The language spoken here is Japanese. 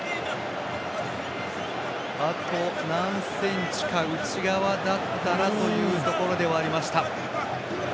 あと、何センチか内側だったらというところではありました。